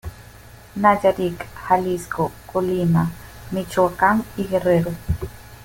Nayarit, Jalisco, Colima, Michoacán y Guerrero.